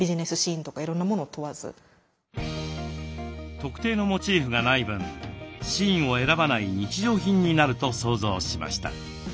特定のモチーフがない分シーンを選ばない日常品になると想像しました。